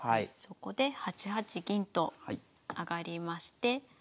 そこで８八銀と上がりまして。